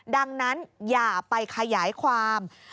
ดังนั้นอย่าไปขยายความ